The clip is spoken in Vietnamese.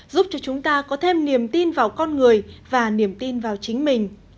giúp cho chúng ta có thêm niềm tin vào con người và niềm tin vào chính mình